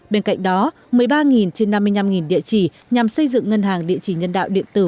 bên cạnh đó một mươi ba trên năm mươi năm địa chỉ nhằm xây dựng ngân hàng địa chỉ nhân đạo điện tử